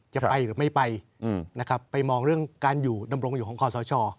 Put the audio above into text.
จะไปหรือไม่ไปนะครับไปมองเรื่องการอยู่ดำรงอยู่ของคอสช